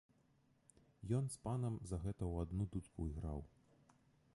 Ён з панам за гэта ў адну дудку іграў.